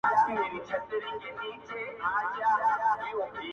• خدای که برابر کړي په اسمان کي ستوري زما و ستا,